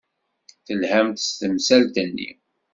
Telham-d s temsalt-nni.